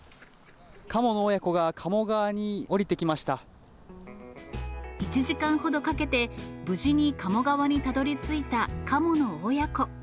カモの親子が鴨川に降りてき１時間ほどかけて、無事に鴨川にたどりついたカモの親子。